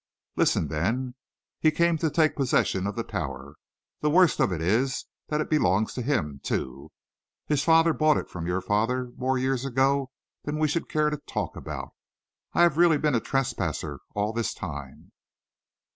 Listen, then. He came to take possession of the Tower. The worst of it is that it belongs to him, too. His father bought it from your father more years ago than we should care to talk about. I have really been a trespasser all this time."